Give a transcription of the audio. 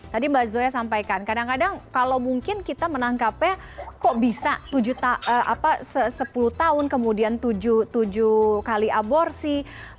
tadi mbak zoya sampaikan kadang kadang kalau mungkin kita menangkapnya kok bisa sepuluh tahun kemudian tujuh kali aborsi